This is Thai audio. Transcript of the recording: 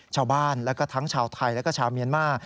ชาวบ้านแล้วก็ทั้งชาวไทยและก็ชาวเมียนมาร์